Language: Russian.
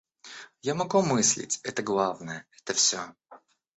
Я могу мыслить — это главное, это все.